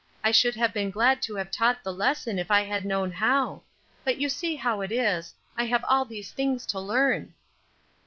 I should have been glad to have taught the lesson if I had known how; but you see how it is; I have all these things to learn."